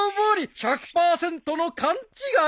１００％の勘違い。